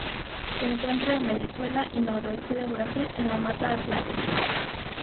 Se encuentra en Venezuela y noreste de Brasil en la Mata Atlántica.